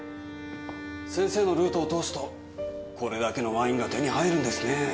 先生のルートを通すとこれだけのワインが手に入るんですねぇ。